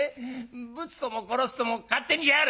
ぶつとも殺すとも勝手にやれ！」。